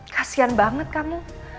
kasian banget kamu